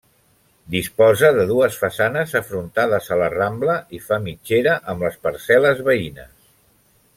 Disposa de dues façanes afrontades a la Rambla i fa mitgera amb les parcel·les veïnes.